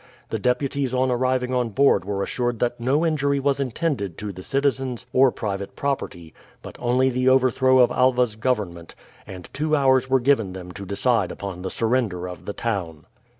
The deputies on arriving on board were assured that no injury was intended to the citizens or private property, but only the overthrow of Alva's government, and two hours were given them to decide upon the surrender of the town.